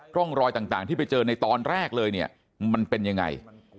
ร่องรอยต่างที่ไปเจอในตอนแรกเลยเนี่ยมันเป็นยังไง